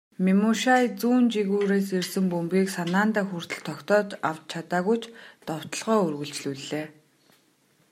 Мемушай зүүн жигүүрээс ирсэн бөмбөгийг санаандаа хүртэл тогтоож авч чадаагүй ч довтолгоогоо үргэлжлүүллээ.